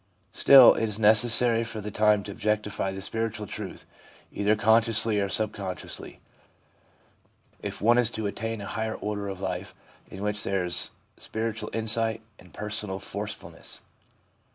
Still, it is necessary for the time to objectify spiritual truth, either consciously or sub consciously, if one is to attain a higher order of life in which there is spiritual insight and personal forcefulness.